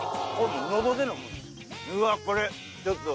うわこれちょっと。